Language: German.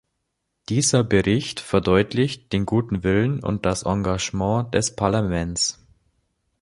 Dieser Bericht verdeutlicht den guten Willen und das Engagement des Parlaments.